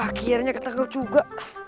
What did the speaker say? akhirnya ketangkep juga